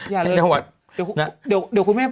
อย่าเลิกเดี๋ยวคุณแม่น